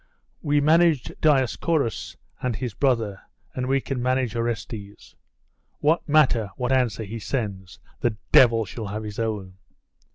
'We managed Dioscuros and his brother, and we can manage Orestes. What matter what answer he sends? The devil shall have his own!